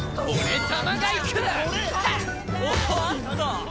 おっと！